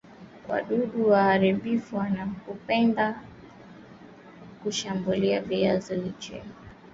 wadudu waharibifu hupenda kushambulia Viazi lis